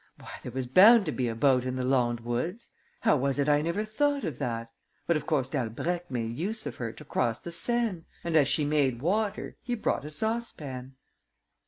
Why, there was bound to be a boat in the Landes woods! How was it I never thought of that? But of course Dalbrèque made use of her to cross the Seine! And, as she made water, he brought a saucepan."